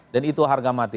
dan itu harga mati